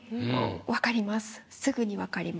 わかります。